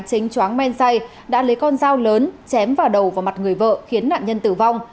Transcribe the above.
chính chóng men say đã lấy con dao lớn chém vào đầu và mặt người vợ khiến nạn nhân tử vong